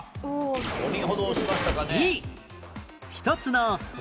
５人ほど押しましたかね。